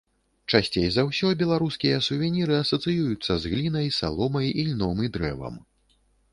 Часцей за ўсё беларускія сувеніры асацыююцца з глінай, саломай, ільном і дрэвам.